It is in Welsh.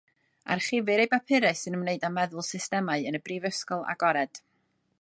Archifir ei bapurau sy'n ymwneud â meddwl systemau yn y Brifysgol Agored.